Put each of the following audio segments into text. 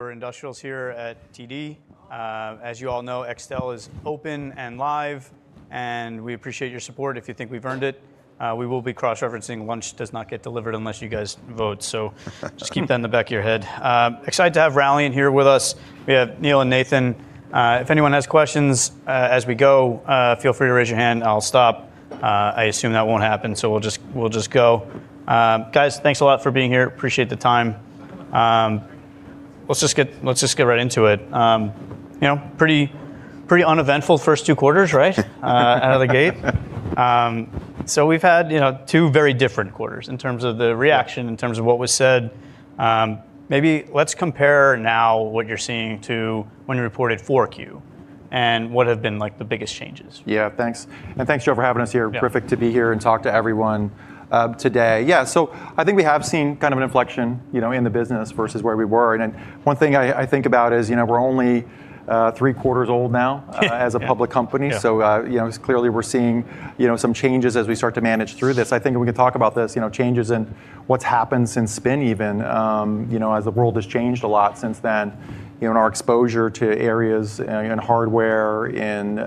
For industrials here at TD. As you all know, Extel is open and live, we appreciate your support. If you think we've earned it, we will be cross-referencing. Lunch does not get delivered unless you guys vote. Just keep that in the back of your head. Excited to have Ralliant here with us. We have Neill and Nathan. If anyone has questions as we go, feel free to raise your hand, I'll stop. I assume that won't happen, so we'll just go. Guys, thanks a lot for being here. Appreciate the time. Let's just get right into it. Pretty uneventful first two quarters, right? Out of the gate. We've had two very different quarters in terms of the reaction, in terms of what was said. Maybe let's compare now what you're seeing to when you reported 4Q, what have been the biggest changes. Yeah, thanks. Thanks, Joe, for having us here. Yeah. Terrific to be here and talk to everyone today. Yeah, I think we have seen kind of an inflection in the business versus where we were. One thing I think about is, we're only three quarters old now. Yeah as a public company. Yeah. Clearly we're seeing some changes as we start to manage through this. I think we can talk about this, changes in what's happened since spin even, as the world has changed a lot since then, and our exposure to areas in hardware and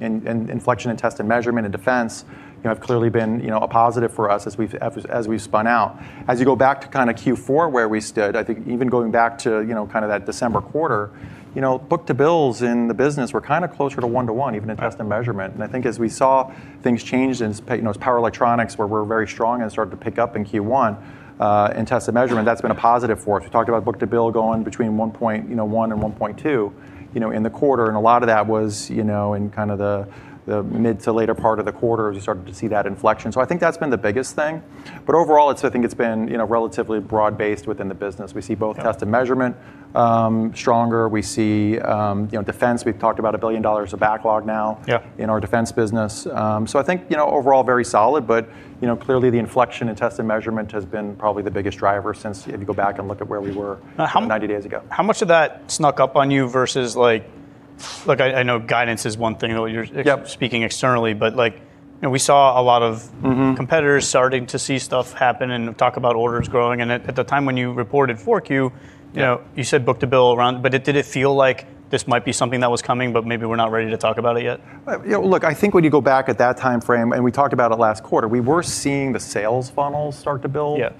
in inflection in test and measurement and defense, have clearly been a positive for us as we've spun out. As you go back to Q4 where we stood, I think even going back to that December quarter, book to bills in the business were kind of closer to one to one, even in test and measurement. I think as we saw things change in power electronics where we're very strong and started to pick up in Q1, in test and measurement, that's been a positive for us. We talked about book to bill going between 1.1 and 1.2 in the quarter, and a lot of that was in the mid to later part of the quarter as you started to see that inflection. I think that's been the biggest thing. Overall, I think it's been relatively broad-based within the business. We see both- Yeah Test and Measurement stronger. We see Defense. We've talked about $1 billion of backlog now. Yeah in our defense business. I think overall very solid, clearly the inflection and test and measurement has been probably the biggest driver since if you go back and look at where we were. How- 90 days ago. How much of that snuck up on you versus, look, I know guidance is one thing that you're-? Yep speaking externally, but we saw a lot of- competitors starting to see stuff happen and talk about orders growing. At the time when you reported 4Q, you said book to bill around, but did it feel like this might be something that was coming, but maybe we're not ready to talk about it yet? Look, I think when you go back at that timeframe, and we talked about it last quarter, we were seeing the sales funnel start to build. Yeah.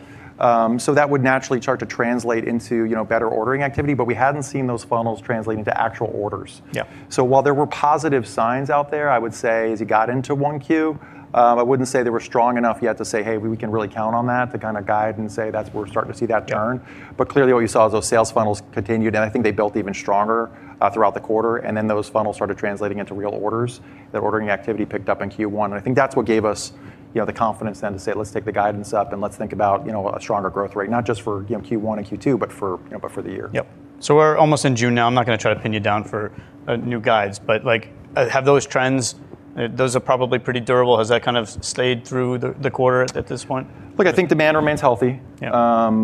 That would naturally start to translate into better ordering activity, but we hadn't seen those funnels translating to actual orders. Yeah. While there were positive signs out there, I would say, as you got into 1Q, I wouldn't say they were strong enough yet to say, "Hey, we can really count on that," to kind of guide and say we're starting to see that turn. Yeah. Clearly what you saw is those sales funnels continued, and I think they built even stronger, throughout the quarter, and then those funnels started translating into real orders. That ordering activity picked up in Q1, and I think that's what gave us the confidence then to say, "Let's take the guidance up, and let's think about a stronger growth rate, not just for Q1 and Q2, but for the year. Yep. We're almost in June now. I'm not going to try to pin you down for new guides, but have those trends, those are probably pretty durable. Has that kind of stayed through the quarter at this point? Look, I think demand remains healthy. Yeah.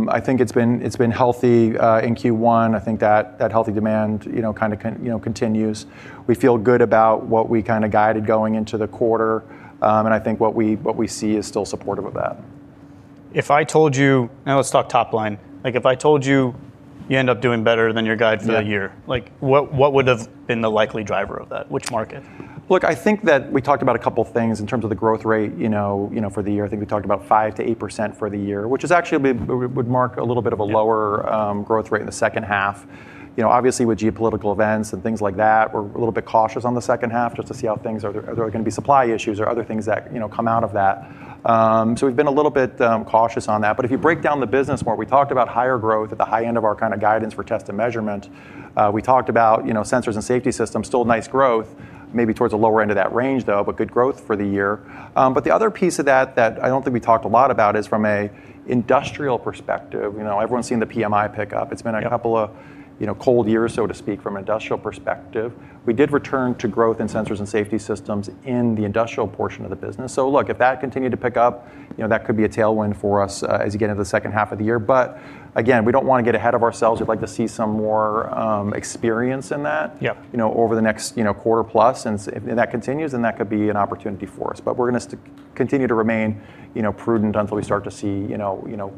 I think it's been healthy in Q1. I think that healthy demand continues. We feel good about what we guided going into the quarter. I think what we see is still supportive of that. If I told you, now let's talk top line. If I told you you end up doing better than your guide for the year. Yeah What would've been the likely driver of that? Which market? Look, I think that we talked about a couple things in terms of the growth rate for the year. I think we talked about 5%-8% for the year, which is actually would mark a little bit of a lower-. Yeah growth rate in the second half. Obviously, with geopolitical events and things like that, we're a little bit cautious on the second half just to see how things are. Are there going to be supply issues or other things that come out of that? We've been a little bit cautious on that, but if you break down the business more, we talked about higher growth at the high end of our kind of guidance for Test and Measurement. We talked about sensors and safety systems, still nice growth, maybe towards the lower end of that range though, but good growth for the year. The other piece of that that I don't think we talked a lot about is from an industrial perspective. Everyone's seen the PMI pick up. It's been a couple of cold years, so to speak, from an industrial perspective. We did return to growth in sensors and safety systems in the industrial portion of the business. Look, if that continued to pick up, that could be a tailwind for us as you get into the second half of the year. Again, we don't want to get ahead of ourselves. We'd like to see some more experience in that. Yeah over the next quarter plus. If that continues, then that could be an opportunity for us, but we're going to continue to remain prudent until we start to see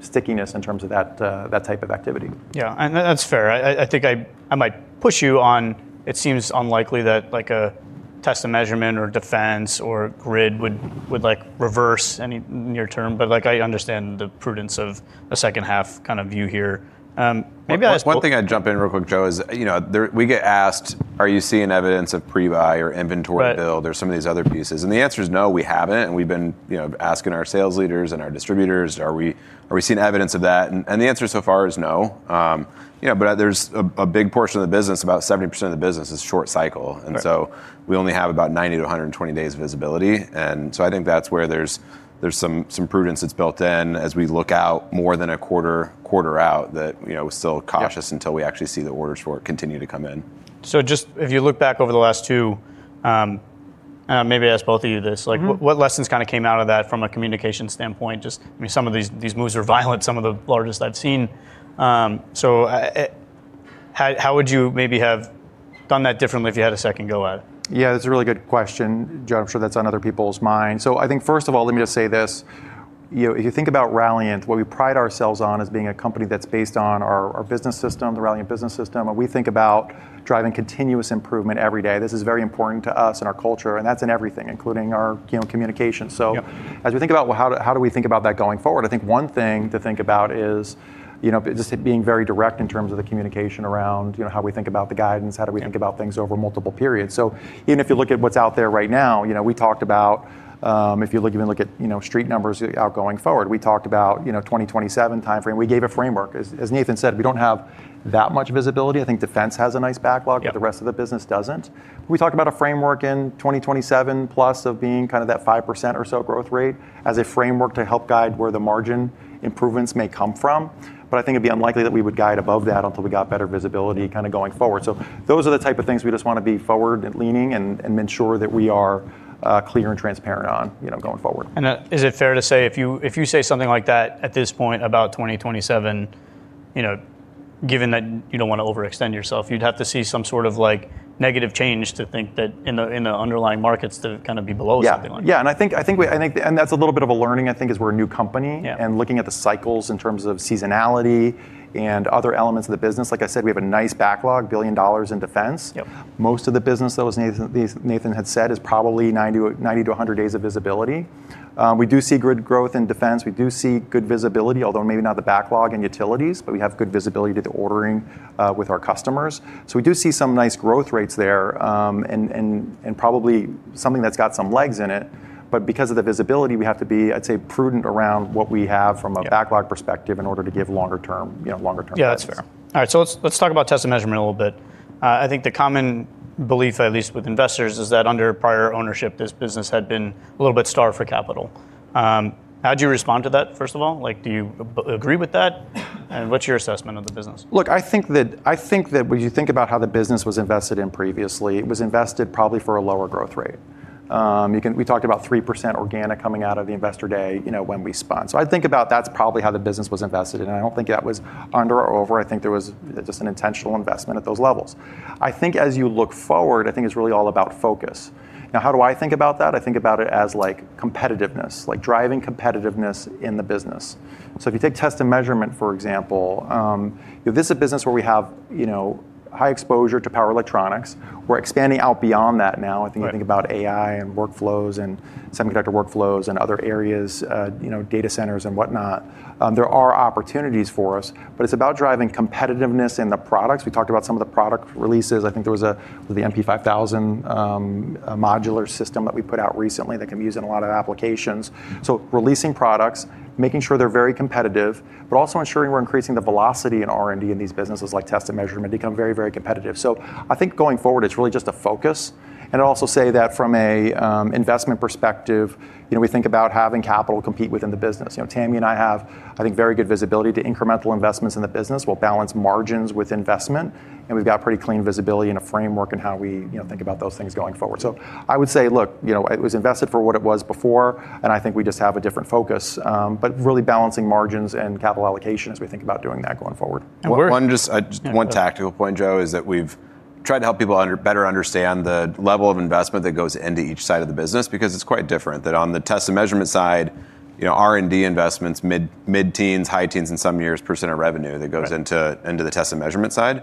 stickiness in terms of that type of activity. That's fair. I think I might push you on, it seems unlikely that a Test and Measurement or defense or grid would reverse any near term, but I understand the prudence of a second half kind of view here. One thing I'd jump in real quick, Joe, is we get asked, "Are you seeing evidence of pre-buy or inventory build or some of these other pieces?" The answer is no, we haven't, and we've been asking our sales leaders and our distributors, are we seeing evidence of that? The answer so far is no. There's a big portion of the business, about 70% of the business is short cycle. Right. We only have about 90-120 days of visibility. I think that's where there's some prudence that's built in as we look out more than a quarter out that we're still cautious. Yeah until we actually see the orders for it continue to come in. Just if you look back over the last two, maybe I ask both of you this. What lessons kind of came out of that from a communication standpoint? Just, some of these moves are violent, some of the largest I've seen. How would you maybe have done that differently if you had a second go at it? Yeah, that's a really good question, Joe. I'm sure that's on other people's minds. I think first of all, let me just say this, if you think about Ralliant, what we pride ourselves on is being a company that's based on our business system, the Ralliant Business System, and we think about driving continuous improvement every day. This is very important to us and our culture, and that's in everything, including our communication. Yep. As we think about how do we think about that going forward, I think one thing to think about is, just it being very direct in terms of the communication around how we think about the guidance. Yep How do we think about things over multiple periods. Even if you look at what's out there right now, we talked about, if you even look at street numbers out going forward, we talked about 2027 timeframe. We gave a framework. As Nathan said, we don't have that much visibility. I think Defense has a nice backlog- Yep The rest of the business doesn't. We talked about a framework in 2027 plus of being that 5% or so growth rate as a framework to help guide where the margin improvements may come from. I think it'd be unlikely that we would guide above that until we got better visibility going forward. So those are the type of things we just want to be forward-leaning and ensure that we are clear and transparent on going forward. Is it fair to say if you say something like that at this point about 2027, given that you don't want to overextend yourself, you'd have to see some sort of negative change to think that in the underlying markets to be below something like that? Yeah, I think that's a little bit of a learning, I think, as we're a new company. Yeah. Looking at the cycles in terms of seasonality and other elements of the business, like I said, we have a nice backlog, $1 billion in Defense. Yep. Most of the business, though, as Nathan had said, is probably 90-100 days of visibility. We do see good growth in Defense. We do see good visibility, although maybe not the backlog in utilities, but we have good visibility to the ordering with our customers. We do see some nice growth rates there, and probably something that's got some legs in it. Because of the visibility, we have to be, I'd say, prudent around what we have. Yeah from a backlog perspective in order to give longer-term guidance. Yeah, that's fair. All right, let's talk about test and measurement a little bit. I think the common belief, at least with investors, is that under prior ownership, this business had been a little bit starved for capital. How'd you respond to that, first of all? Do you agree with that? What's your assessment of the business? Look, I think that when you think about how the business was invested in previously, it was invested probably for a lower growth rate. We talked about 3% organic coming out of the investor day when we spun. I think about that's probably how the business was invested in, and I don't think that was under or over. I think there was just an intentional investment at those levels. I think as you look forward, I think it's really all about focus. Now, how do I think about that? I think about it as competitiveness, like driving competitiveness in the business. If you take test and measurement, for example, this is a business where we have high exposure to power electronics. We're expanding out beyond that now. Right. I think you think about AI and workflows and semiconductor workflows and other areas, data centers and whatnot. There are opportunities for us, but it's about driving competitiveness in the products. We talked about some of the product releases. I think there was the MP5000, a modular system that we put out recently that can be used in a lot of applications. Releasing products, making sure they're very competitive, but also ensuring we're increasing the velocity in R&D in these businesses like test and measurement to become very, very competitive. I think going forward, it's really just the focus. I'd also say that from an investment perspective, we think about having capital compete within the business. Tami and I have, I think, very good visibility to incremental investments in the business. We'll balance margins with investment, and we've got pretty clean visibility and a framework in how we think about those things going forward. I would say, look, it was invested for what it was before, and I think we just have a different focus, but really balancing margins and capital allocation as we think about doing that going forward. And we're- One Yeah. Go ahead one tactical point, Joe, is that we've tried to help people better understand the level of investment that goes into each side of the business because it's quite different, that on the test and measurement side, R&D investments, mid-teens, high teens in some years % of revenue. Right the Test and Measurement side.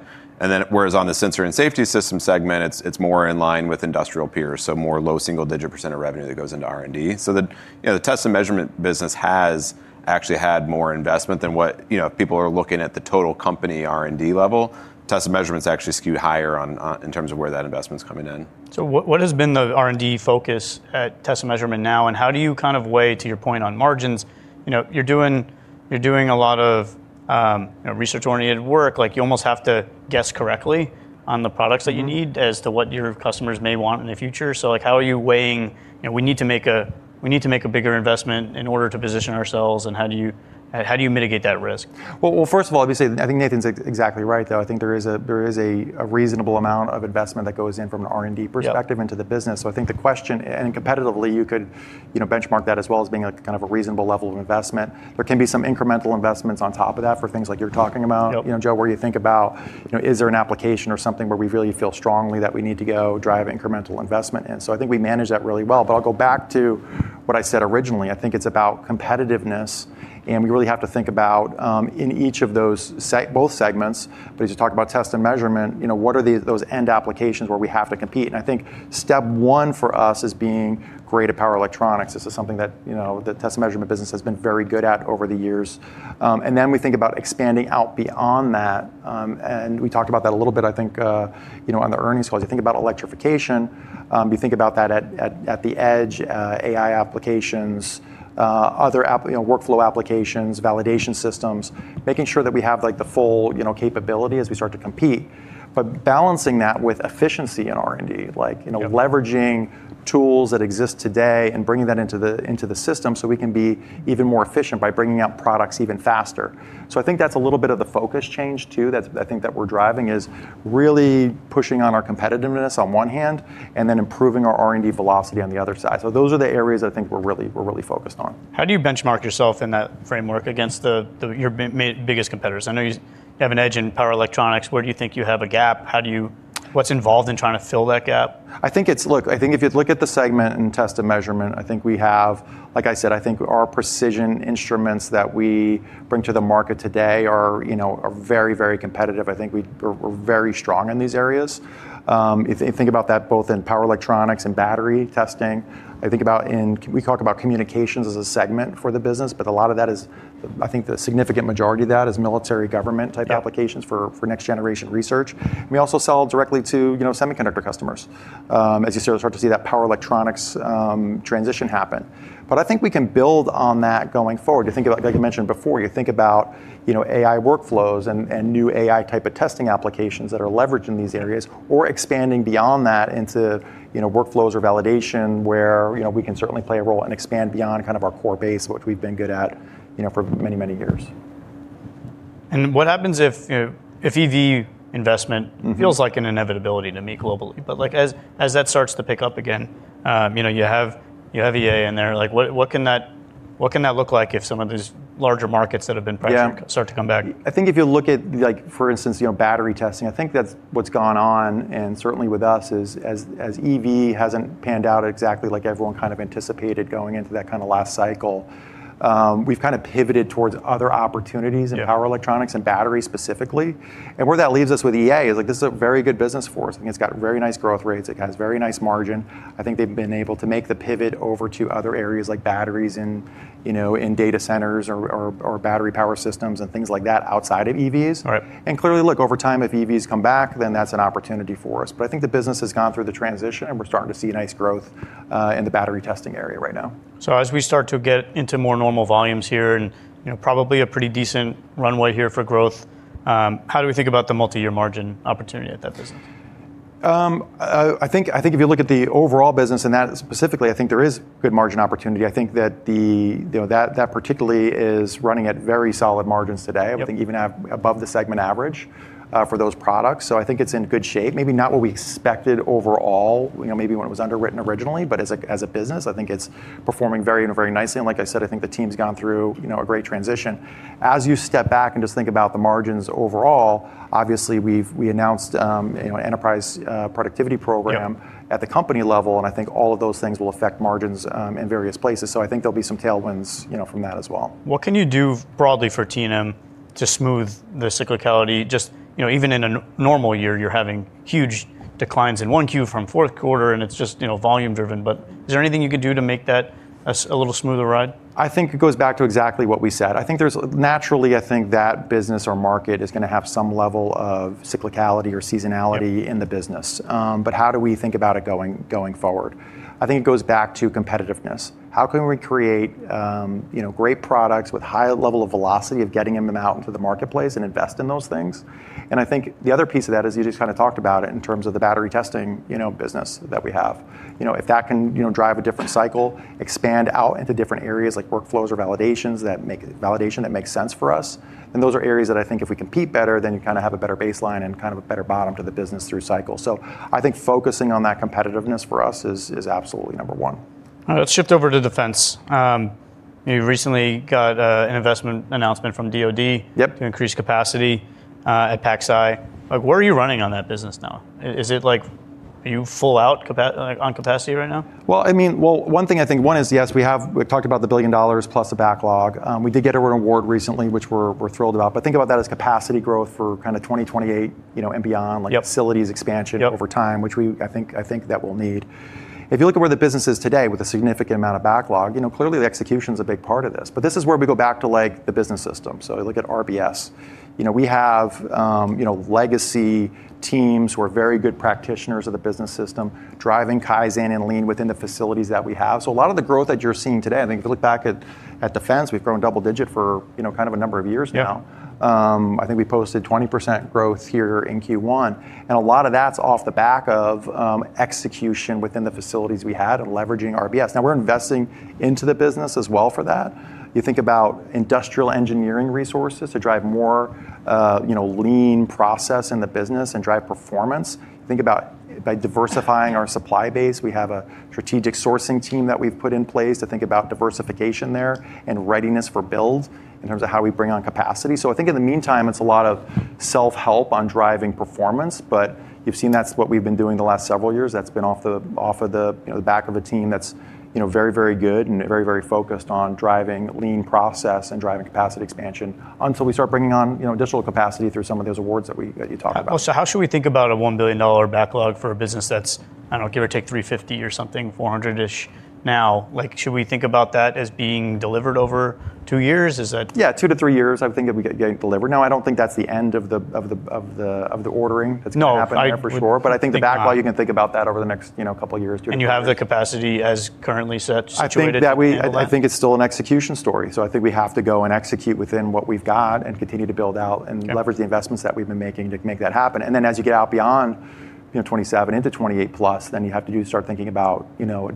Whereas on the Sensor and Safety System segment, it's more in line with industrial peers, so more low single-digit % of revenue that goes into R&D. The Test and Measurement business has actually had more investment than if people are looking at the total company R&D level, Test and Measurement's actually skewed higher in terms of where that investment's coming in. What has been the R&D focus at Test and Measurement now, and how do you kind of weigh, to your point on margins, you're doing a lot of research-oriented work. You almost have to guess correctly on the products that you need as to what your customers may want in the future. How are you weighing, we need to make a bigger investment in order to position ourselves, and how do you mitigate that risk? Well, first of all, obviously, I think Nathan's exactly right, though. I think there is a reasonable amount of investment that goes in from an R&D perspective. Yep into the business. I think the question, and competitively you could benchmark that as well as being a kind of reasonable level of investment. There can be some incremental investments on top of that for things like you're talking about. Yep Joe, where you think about is there an application or something where we really feel strongly that we need to go drive incremental investment? I think we manage that really well. I'll go back to what I said originally. I think it's about competitiveness, and we really have to think about, in each of those both segments, but as you talk about Test and Measurement, what are those end applications where we have to compete? I think step one for us is being great at power electronics. This is something that the Test and Measurement business has been very good at over the years. We think about expanding out beyond that, and we talked about that a little bit, I think, on the earnings call. As you think about electrification, you think about that at the edge, AI applications, other workflow applications, validation systems, making sure that we have the full capability as we start to compete. Balancing that with efficiency in R&D, like. Yep leveraging tools that exist today and bringing that into the system so we can be even more efficient by bringing out products even faster. I think that's a little bit of the focus change, too, that I think that we're driving, is really pushing on our competitiveness on one hand, and then improving our R&D velocity on the other side. Those are the areas I think we're really focused on. How do you benchmark yourself in that framework against your biggest competitors? I know you have an edge in power electronics. Where do you think you have a gap? What's involved in trying to fill that gap? Look, I think if you look at the segment in Test and Measurement, like I said, I think our precision instruments that we bring to the market today are very competitive. I think we're very strong in these areas. If you think about that both in power electronics and battery testing, we talk about communications as a segment for the business, but I think the significant majority of that is military, government type applications. Yeah for next generation research. We also sell directly to semiconductor customers, as you start to see that power electronics transition happen. I think we can build on that going forward. Like I mentioned before, you think about AI workflows and new AI type of testing applications that are leveraged in these areas, or expanding beyond that into workflows or validation where we can certainly play a role and expand beyond our core base, which we've been good at for many years. What happens if EV investment? feels like an inevitability to me globally. As that starts to pick up again, you have EA in there, what can that look like if some of these larger markets that have been pressured? Yeah start to come back? I think if you look at, for instance, battery testing, I think that's what's gone on, and certainly with us, as EV hasn't panned out exactly like everyone kind of anticipated going into that last cycle. We've kind of pivoted towards other opportunities. Yeah In power electronics and battery specifically, where that leaves us with EA is this is a very good business for us. I think it's got very nice growth rates. It has very nice margin. I think they've been able to make the pivot over to other areas like batteries in data centers or battery power systems, and things like that outside of EVs. Right. Clearly, look, over time, if EVs come back, then that's an opportunity for us. I think the business has gone through the transition, and we're starting to see nice growth in the battery testing area right now. As we start to get into more normal volumes here and probably a pretty decent runway here for growth, how do we think about the multi-year margin opportunity at that business? I think if you look at the overall business, and that specifically, I think there is good margin opportunity. I think that particularly is running at very solid margins today. Yep. I think even above the segment average for those products. I think it's in good shape. Maybe not what we expected overall, maybe when it was underwritten originally. As a business, I think it's performing very nicely. Like I said, I think the team's gone through a great transition. As you step back and just think about the margins overall, obviously we announced an Enterprise Productivity Program- Yep At the company level, I think all of those things will affect margins in various places. I think there'll be some tailwinds from that as well. What can you do broadly for T&M to smooth the cyclicality? Just even in a normal year, you're having huge declines in 1Q from fourth quarter, and it's just volume driven. Is there anything you could do to make that a little smoother ride? I think it goes back to exactly what we said. Naturally, I think that business or market is going to have some level of cyclicality or seasonality. Yep in the business. How do we think about it going forward? I think it goes back to competitiveness. How can we create great products with high level of velocity of getting them out into the marketplace and invest in those things? I think the other piece of that, as you just kind of talked about, in terms of the battery testing business that we have. If that can drive a different cycle, expand out into different areas like workflows or validation that makes sense for us, then those are areas that I think if we compete better, then you have a better baseline and a better bottom to the business through cycles. I think focusing on that competitiveness for us is absolutely number one. All right. Let's shift over to defense. You recently got an investment announcement from DoD. Yep to increase capacity at PacSci. Where are you running on that business now? Are you full out on capacity right now? Well, one is, yes, we've talked about the $1 billion plus in backlog. We did get an award recently, which we're thrilled about, but think about that as capacity growth for kind of 2028 and beyond. Yep like facilities expansion Yep over time, which I think that we'll need. If you look at where the business is today with a significant amount of backlog, clearly the execution's a big part of this. This is where we go back to the business system. You look at RBS, we have legacy teams who are very good practitioners of the business system, driving Kaizen and Lean within the facilities that we have. A lot of the growth that you're seeing today, I think if you look back at defense, we've grown double digit for a number of years now. Yeah. I think we posted 20% growth here in Q1, and a lot of that's off the back of execution within the facilities we had and leveraging RBS. Now we're investing into the business as well for that. You think about industrial engineering resources to drive more Lean process in the business and drive performance. Think about by diversifying our supply base, we have a strategic sourcing team that we've put in place to think about diversification there, and readiness for build in terms of how we bring on capacity. I think in the meantime, it's a lot of self-help on driving performance, but you've seen that's what we've been doing the last several years. That's been off of the back of a team that's very good and very focused on driving lean process and driving capacity expansion until we start bringing on additional capacity through some of those awards that you talked about. How should we think about a $1 billion backlog for a business that's, I don't know, give or take $350 or something, $400-ish now? Should we think about that as being delivered over two years? Yeah, two to three years, I would think, of it getting delivered. No, I don't think that's the end of the ordering that's going to happen there for sure. No, I would think not. I think the backlog, you can think about that over the next couple of years, two or three years. You have the capacity as currently situated to handle that? I think it's still an execution story, so I think we have to go and execute within what we've got and continue to build out and leverage. Okay the investments that we've been making to make that happen. Then as you get out beyond 2027 into 2028 plus, then you have to start thinking about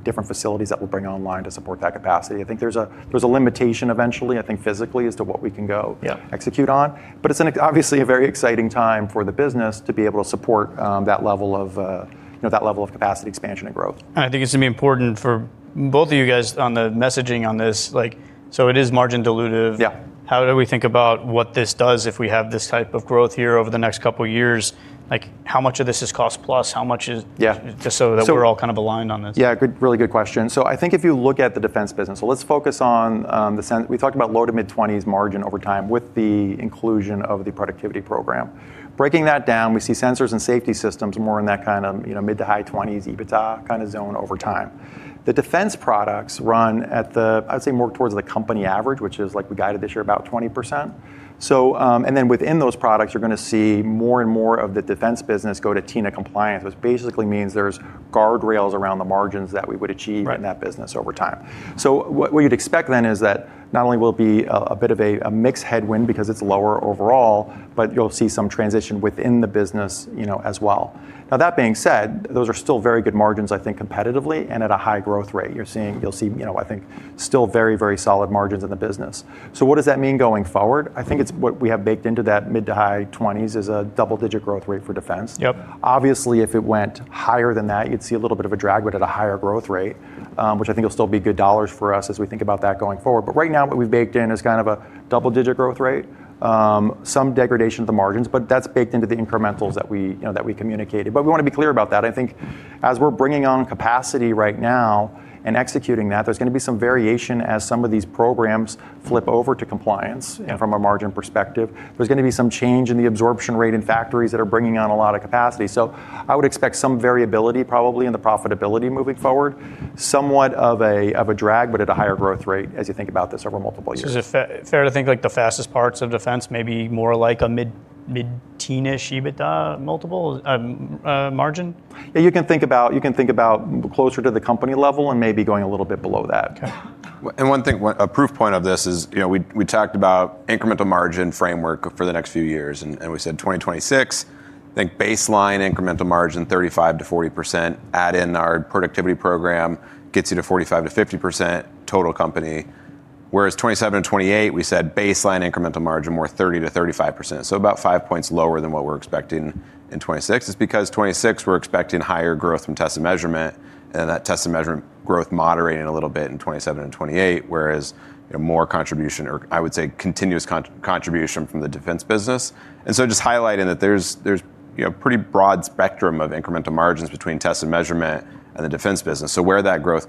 different facilities that we'll bring online to support that capacity. I think there's a limitation eventually, I think, physically as to what we can go. Yeah execute on. It's obviously a very exciting time for the business to be able to support that level of capacity expansion and growth. I think it's going to be important for both of you guys on the messaging on this, so it is margin dilutive. Yeah. How do we think about what this does if we have this type of growth here over the next couple of years? How much of this is cost plus? Yeah just so that we're all kind of aligned on this. I think if you look at the defense business, we talked about low to mid-20% margin over time with the inclusion of the productivity program. Breaking that down, we see sensors and safety systems more in that kind of mid to high 20% EBITDA kind of zone over time. The defense products run, I would say, more towards the company average, which is like we guided this year about 20%. Within those products, you're going to see more and more of the defense business go to TINA compliance, which basically means there's guardrails around the margins that we would achieve. Right in that business over time. What you'd expect then is that not only will it be a bit of a mixed headwind because it's lower overall, but you'll see some transition within the business as well. That being said, those are still very good margins I think competitively and at a high growth rate. You'll see, I think still very, very solid margins in the business. What does that mean going forward? I think it's what we have baked into that mid to high 20s is a double-digit growth rate for defense. Yep. Obviously, if it went higher than that, you'd see a little bit of a drag, but at a higher growth rate, which I think will still be good dollars for us as we think about that going forward. Right now, what we've baked in is kind of a double-digit growth rate. Some degradation of the margins, but that's baked into the incrementals that we communicated. We want to be clear about that. I think as we're bringing on capacity right now and executing that, there's going to be some variation as some of these programs flip over to compliance from a margin perspective. There's going to be some change in the absorption rate in factories that are bringing on a lot of capacity. I would expect some variability probably in the profitability moving forward, somewhat of a drag, but at a higher growth rate as you think about this over multiple years. Is it fair to think like the fastest parts of defense, maybe more like a mid-teenish EBITDA multiple, margin? You can think about closer to the company level and maybe going a little bit below that. Okay. One thing, a proof point of this is, we talked about incremental margin framework for the next few years, and we said 2026, think baseline incremental margin 35%-40%, add in our productivity program gets you to 45%-50% total company. Whereas, 2027 and 2028, we said baseline incremental margin, we're 30%-35%. About 5 points lower than what we're expecting in 2026. It's because 2026, we're expecting higher growth from Test and Measurement, and that Test and Measurement growth moderating a little bit in 2027 and 2028, whereas more contribution or I would say continuous contribution from the defense business. Just highlighting that there's a pretty broad spectrum of incremental margins between Test and Measurement and the defense business. Where that growth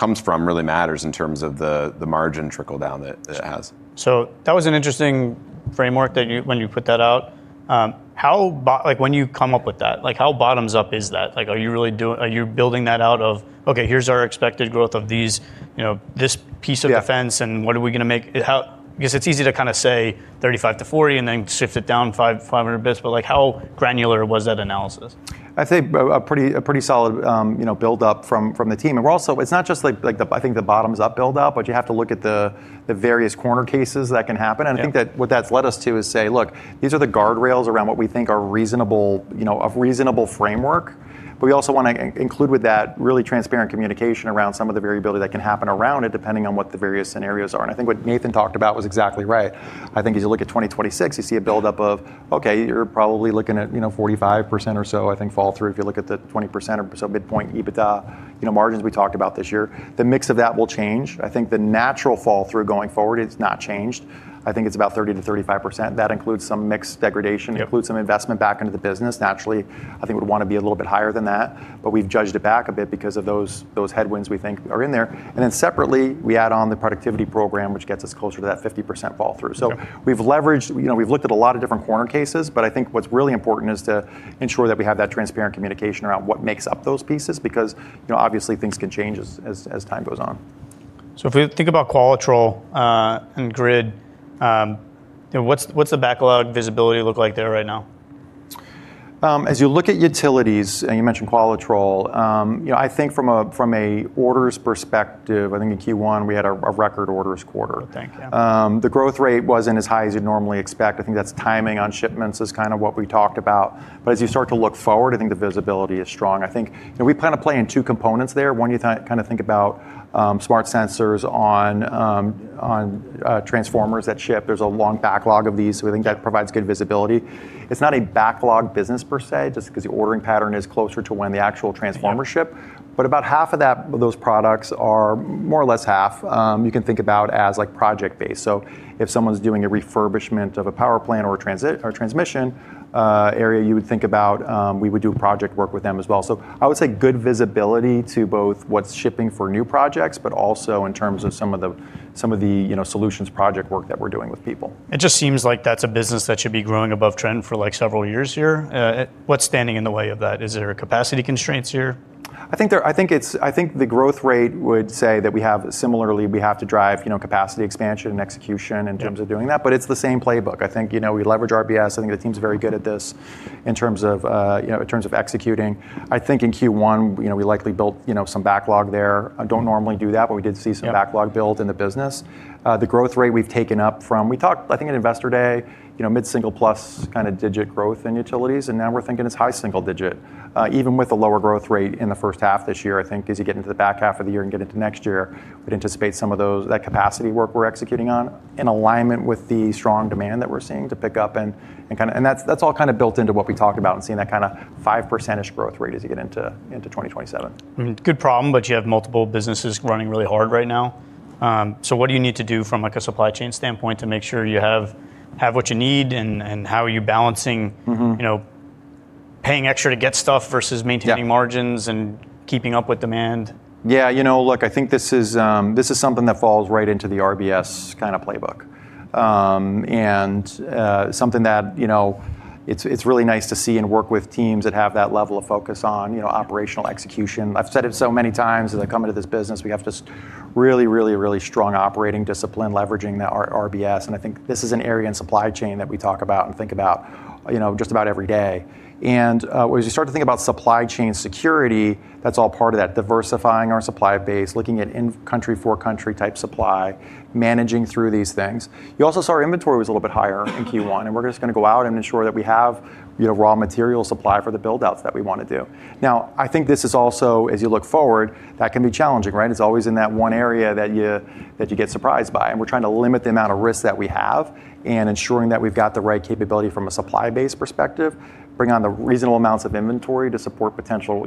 comes from really matters in terms of the margin trickle-down that it has. That was an interesting framework when you put that out. When you come up with that, how bottoms-up is that? Are you building that out of, okay, here's our expected growth of this piece of defense- Yeah What are we going to make it out? It's easy to kind of say 35%-40% and then shift it down 500 basis points, but how granular was that analysis? I'd say a pretty solid buildup from the team. It's not just like, I think, the bottoms-up build-up, but you have to look at the various corner cases that can happen. Yeah. I think that what that's led us to is say, look, these are the guardrails around what we think are reasonable framework. We also want to include with that really transparent communication around some of the variability that can happen around it, depending on what the various scenarios are. I think what Nathan talked about was exactly right. I think as you look at 2026, you see a buildup of, okay, you're probably looking at 45% or so, I think, fall through if you look at the 20% or so midpoint EBITDA margins we talked about this year. The mix of that will change. I think the natural fall-through going forward, it's not changed. I think it's about 30%-35%. That includes some mix degradation. Yeah includes some investment back into the business. Naturally, I think we'd want to be a little bit higher than that, but we've judged it back a bit because of those headwinds we think are in there. Separately, we add on the productivity program, which gets us closer to that 50% fall-through. Yeah. We've leveraged, we've looked at a lot of different corner cases, but I think what's really important is to ensure that we have that transparent communication around what makes up those pieces, because obviously things can change as time goes on. If you think about Qualitrol and grid, what's the backlog visibility look like there right now? As you look at utilities, and you mentioned Qualitrol, I think from a orders perspective, I think in Q1, we had a record orders quarter. Good. Thank you. The growth rate wasn't as high as you'd normally expect. I think that's timing on shipments is kind of what we talked about. As you start to look forward, I think the visibility is strong. I think we plan to play in two components there. One, you kind of think about smart sensors on transformers that ship. There's a long backlog of these, so we think that provides good visibility. It's not a backlog business per se, just because the ordering pattern is closer to when the actual transformers ship. About half of those products are, more or less half, you can think about as project-based. If someone's doing a refurbishment of a power plant or a transmission area, you would think about, we would do project work with them as well. I would say good visibility to both what's shipping for new projects, but also in terms of some of the solutions project work that we're doing with people. It just seems like that's a business that should be growing above trend for several years here. What's standing in the way of that? Is there capacity constraints here? I think the growth rate would say that similarly, we have to drive capacity expansion and execution in terms of doing that, but it's the same playbook. I think we leverage RBS. I think the team's very good at this in terms of executing. I think in Q1, we likely built some backlog there. I don't normally do that, but we did see some backlog. Yeah build in the business. The growth rate we've taken up from, we talked, I think at Investor Day, mid-single-plus kind of digit growth in utilities, and now we're thinking it's high single digit. Even with the lower growth rate in the first half this year, I think as you get into the back half of the year and get into next year, we'd anticipate some of that capacity work we're executing on in alignment with the strong demand that we're seeing to pick up and that's all kind of built into what we talked about and seeing that kind of 5% growth rate as you get into 2027. Mm-hmm. Good problem, you have multiple businesses running really hard right now. What do you need to do from a supply chain standpoint to make sure you have what you need, and how are you balancing. Paying extra to get stuff versus maintaining. Yeah margins and keeping up with demand. Yeah, look, I think this is something that falls right into the RBS kind of playbook. Something that it's really nice to see and work with teams that have that level of focus on operational execution. I've said it so many times as I come into this business, we have just really, really, really strong operating discipline leveraging the RBS, and I think this is an area in supply chain that we talk about and think about just about every day. As you start to think about supply chain security, that's all part of that. Diversifying our supply base, looking at in-country for country type supply, managing through these things. You also saw our inventory was a little bit higher in Q1, and we're just going to go out and ensure that we have raw material supply for the build-outs that we want to do. I think this is also, as you look forward, that can be challenging, right? It's always in that one area that you get surprised by, and we're trying to limit the amount of risk that we have and ensuring that we've got the right capability from a supply base perspective, bring on the reasonable amounts of inventory to support potential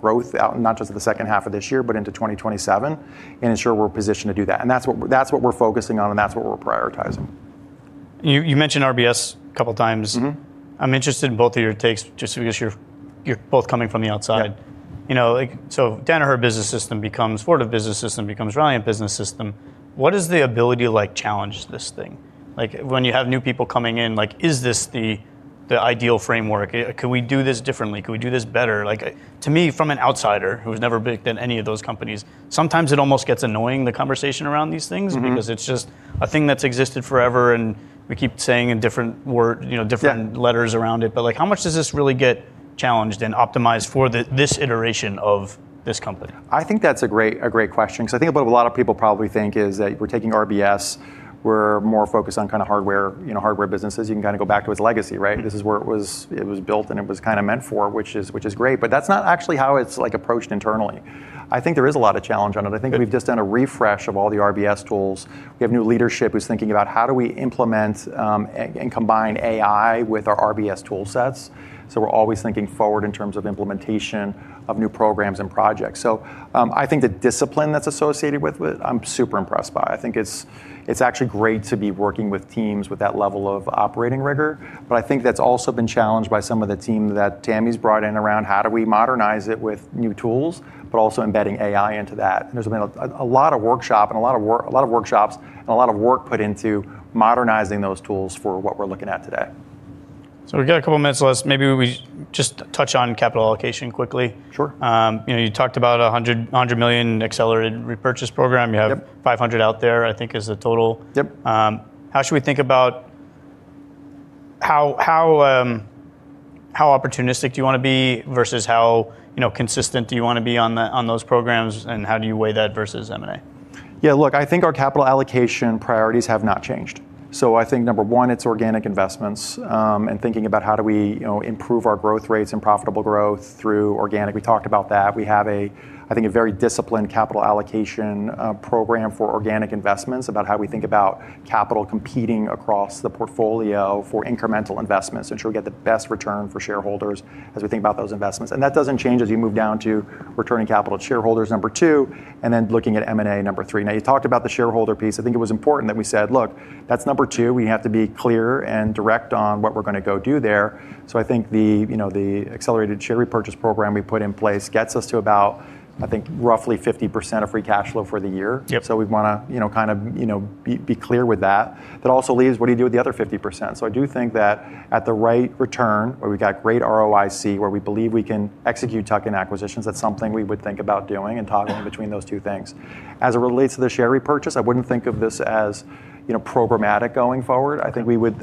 growth out, not just the second half of this year, but into 2027, and ensure we're positioned to do that. That's what we're focusing on, and that's what we're prioritizing. You mentioned RBS a couple times. I'm interested in both of your takes just because you're both coming from the outside. Yeah. Danaher Business System becomes Fortive Business System becomes Ralliant Business System. What is the ability to challenge this thing? When you have new people coming in, is this the ideal framework? Could we do this differently? Could we do this better? To me, from an outsider who has never been any of those companies, sometimes it almost gets annoying, the conversation around these things. It's just a thing that's existed forever and we keep saying in different letters around it. How much does this really get challenged and optimized for this iteration of this company? I think that's a great question, because I think what a lot of people probably think is that we're taking RBS, we're more focused on hardware businesses. You can kind of go back to its legacy, right? This is where it was built, and it was kind of meant for, which is great. That's not actually how it's approached internally. I think there is a lot of challenge on it. I think we've just done a refresh of all the RBS tools. We have new leadership who's thinking about how do we implement, and combine AI with our RBS tool sets. We're always thinking forward in terms of implementation of new programs and projects. I think the discipline that's associated with it, I'm super impressed by. I think it's actually great to be working with teams with that level of operating rigor, I think that's also been challenged by some of the team that Tami's brought in around how do we modernize it with new tools, but also embedding AI into that. There's been a lot of workshops and a lot of work put into modernizing those tools for what we're looking at today. We've got a couple minutes left. Maybe we just touch on capital allocation quickly. Sure. You talked about $100 million accelerated repurchase program. Yep. You have 500 out there, I think is the total. Yep. How should we think about how opportunistic do you want to be versus how consistent do you want to be on those programs, and how do you weigh that versus M&A? Yeah, look, I think our capital allocation priorities have not changed. I think number 1, it's organic investments, and thinking about how do we improve our growth rates and profitable growth through organic. We talked about that. We have, I think, a very disciplined capital allocation program for organic investments about how we think about capital competing across the portfolio for incremental investments, ensure we get the best return for shareholders as we think about those investments. That doesn't change as you move down to returning capital to shareholders, number 2, and then looking at M&A, number 3. You talked about the shareholder piece. I think it was important that we said, look, that's number 2. We have to be clear and direct on what we're going to go do there. I think the accelerated share repurchase program we put in place gets us to about, I think, roughly 50% of free cash flow for the year. Yep. We want to be clear with that. That also leaves what do you do with the other 50%. I do think that at the right return, where we've got great ROIC, where we believe we can execute tuck-in acquisitions, that's something we would think about doing and toggling between those two things. As it relates to the share repurchase, I wouldn't think of this as programmatic going forward. I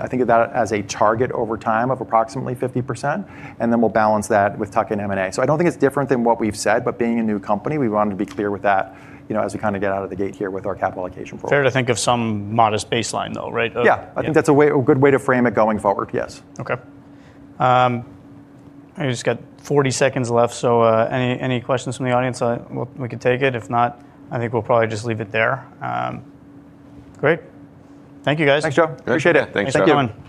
think of that as a target over time of approximately 50%, and then we'll balance that with tuck-in M&A. I don't think it's different than what we've said, but being a new company, we wanted to be clear with that as we get out of the gate here with our capital allocation program. Fair to think of some modest baseline, though, right? Yeah. I think that's a good way to frame it going forward, yes. Okay. We just got 40 seconds left. Any questions from the audience? We could take it. If not, I think we'll probably just leave it there. Great. Thank you, guys. Thanks, Joe. Appreciate it. Thanks, Joe. Thanks for coming.